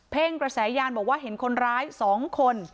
กระแสยานบอกว่าเห็นคนร้าย๒คน